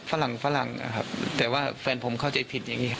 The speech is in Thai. ฝรั่งฝรั่งนะครับแต่ว่าแฟนผมเข้าใจผิดอย่างนี้